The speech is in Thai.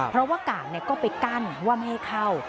เพราะว่ากาดก็ไปกั้นว่าไม่ให้เข้า